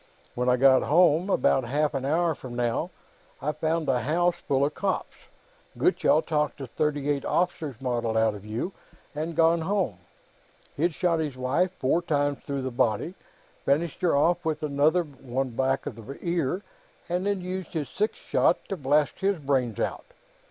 When I got home, about half an hour from now, I found the house full of cops. Gutchall talked the .38 officers' model out of you, and gone home; he'd shot his wife four times through the body, finished her off with another one back of the ear, and then used his sixth shot to blast his brains out.